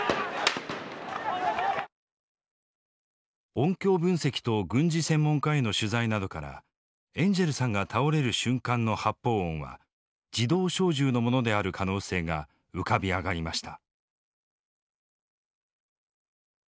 音響分析と軍事専門家への取材などからエンジェルさんが倒れる瞬間の発砲音は自動小銃のものである可能性が浮かび上がりました。